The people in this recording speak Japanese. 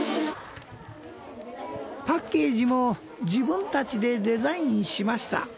パッケージも自分たちでデザインしました。